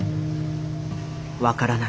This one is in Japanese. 分からない。